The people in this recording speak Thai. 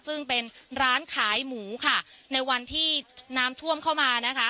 ซึ่งเป็นร้านขายหมูค่ะในวันที่น้ำท่วมเข้ามานะคะ